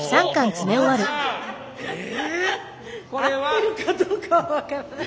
合ってるかどうかは分からない。